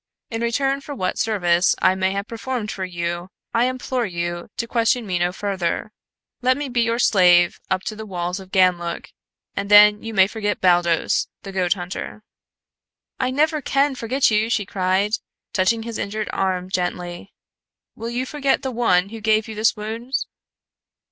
In return for what service I may have performed for you, I implore you to question me no further. Let me be your slave up to the walls of Ganlook, and then you may forget Baldos, the goat hunter." "I never can forget you," she cried, touching his injured arm gently. "Will you forget the one who gave you this wound?"